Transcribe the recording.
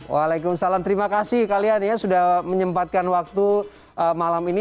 waalaikumsalam terima kasih kalian ya sudah menyempatkan waktu malam ini